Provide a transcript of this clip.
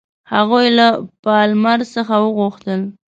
هغوی له پالمر څخه وغوښتل.